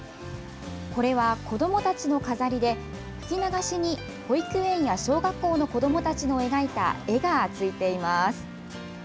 これは子どもたちの飾りで、吹き流しに保育園や小学校の子どもたちの描いた絵がついています。